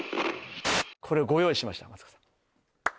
これをご用意しましたマツコさん